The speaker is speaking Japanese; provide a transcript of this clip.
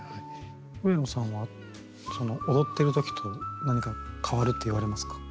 上野さんは踊ってる時と何か変わるって言われますか？